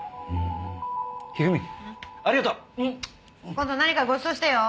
今度何かごちそうしてよ。